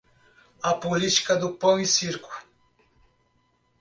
A política do pão e circo